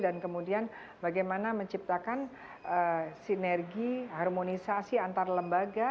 kemudian bagaimana menciptakan sinergi harmonisasi antar lembaga